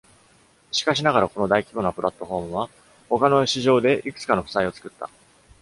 しかしながら、この大規模なプラットフォームは、他の市場でいくつかの負債を作った。